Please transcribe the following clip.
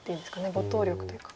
没頭力というか。